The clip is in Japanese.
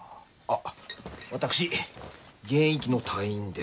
あっ私現役の隊員です。